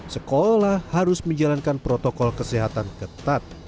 sekolah harus menjalankan protokol kesehatan ketat